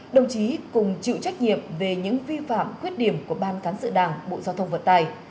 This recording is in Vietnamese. đồng chí cùng chịu trách nhiệm về những vi phạm khuyết điểm của ban cán sự đảng bộ giao thông vận tài